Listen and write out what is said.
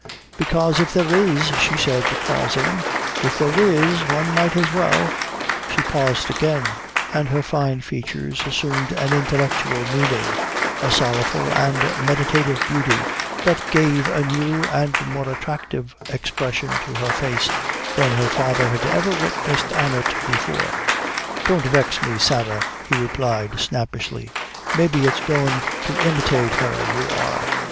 "Bekase if there is," she said, pausing "if there is, one might as well " She paused again and her fine features assumed an intellectual meaning a sorrowful and meditative beauty, that gave a new and more attractive expression to her face than her father had ever witnessed on it before. "Don't vex me, Sarah," he replied, snappishly. "Maybe it's goin' to imitate her you are.